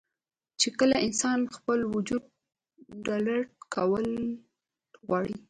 چې کله انسان خپل وجود الرټ کول غواړي